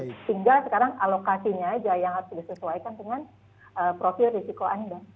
tinggal sekarang alokasinya aja yang harus disesuaikan dengan profil risiko anda